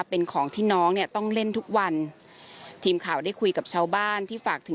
เป็นของที่น้องเนี่ยต้องเล่นทุกวันทีมข่าวได้คุยกับชาวบ้านที่ฝากถึง